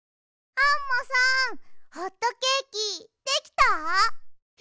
アンモさんホットケーキできた？へ？